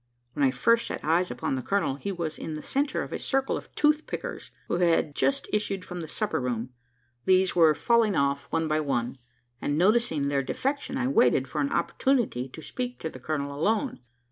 When I first set eyes upon the colonel, he was in the centre of a circle of tooth pickers, who had just issued from the supper room. These were falling off one by one; and, noticing their defection, I waited for an opportunity to speak to the colonel alone.